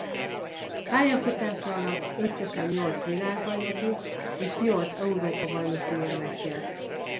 Pályafutása alatt összesen nyolc világbajnoki és nyolc Európa-bajnoki érmet nyert.